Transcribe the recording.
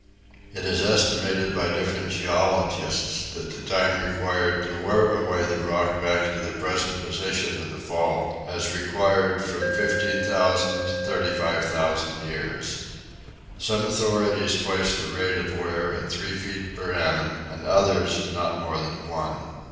It is estimated by different geologists that the time required to wear away the rock back to the present position of the fall has required from 15,000 to 35,000 years. Some authorities place the rate of wear at three feet per annum and others not more than one.